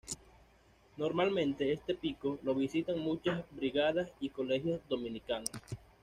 Normalmente este pico lo visitan muchas brigadas y colegios dominicanos.